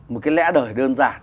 một cái lẽ đời đơn giản